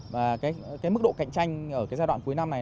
và cái mức độ cạnh tranh ở cái giai đoạn cuối năm này